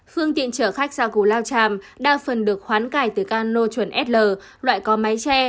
phương tiện chở khách ra cù lao tràm đa phần được khoán cải từ cano chuẩn sl loại có máy tre